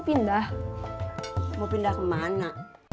pindah mau pindah ke mana